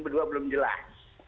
berdua belum jelas